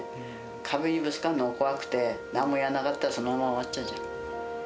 壁にぶつかるのが怖くて、なんもやらなかったら、そのまま終わっちゃうじゃん。